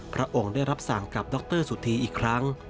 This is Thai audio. พระองค์ได้รับสั่งกับดรสุธีอีกครั้ง